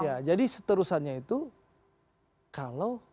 ya jadi seterusannya itu kalau